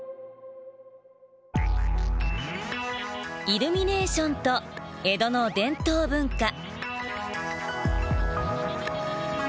イルミネーションと江戸の伝統文化。